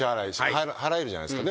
払えるじゃないですか。